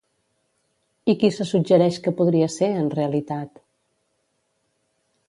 I qui se suggereix que podria ser, en realitat?